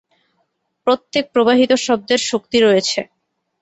প্রত্যেক প্রবাহিত শব্দের শক্তি রয়েছে!